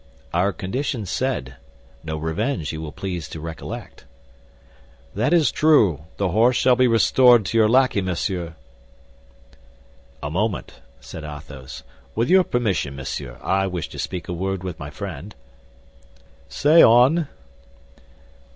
"Our conditions said, 'No revenge,' you will please to recollect." "That is true; the horse shall be restored to your lackey, monsieur." "A moment," said Athos; "with your permission, monsieur, I wish to speak a word with my friend." "Say on."